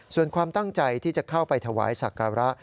ส่วนความตั้งใจที่จะเข้าไปถวายสักการะ